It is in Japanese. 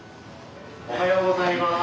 おはようございます。